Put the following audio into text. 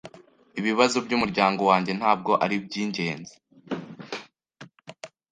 Ibibazo byumuryango wanjye ntabwo aribyingenzi.